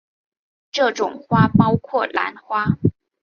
这种花包括兰花。